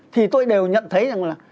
thì tôi đều nhận thấy rằng là